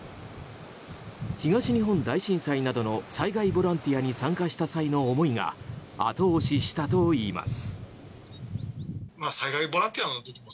東日本大震災などの災害ボランティアに参加した際の思いが後押ししたといいます。